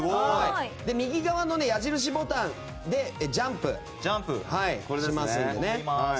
右側の矢印ボタンでジャンプしますので。